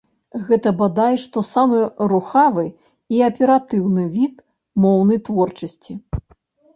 Гэта бадай што самы рухавы і аператыўны від моўнай творчасці.